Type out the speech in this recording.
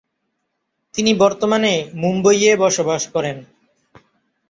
তিনি বর্তমানে মুম্বইয়ে বসবাস করেন।